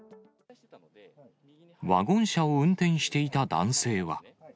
ワゴン車を運転していた男性は。